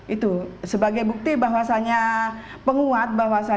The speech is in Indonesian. itu sebagai bukti bahwasannya penguat bahwasannya